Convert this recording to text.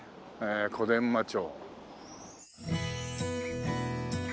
小伝馬町。